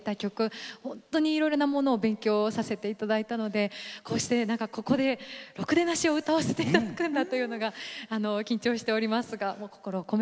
本当にいろいろなものを勉強させて頂いたのでこうしてここで「ろくでなし」を歌わせて頂くんだというのが緊張しておりますが心を込めて頑張りたいと思います。